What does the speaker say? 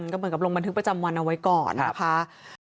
ก็เหมือนกับลงบันทึกประจำวันเอาไว้ก่อนนะคะ